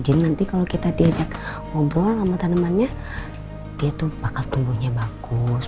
jadi nanti kalau kita diajak ngobrol sama tanamannya dia tuh bakal tumbuhnya bagus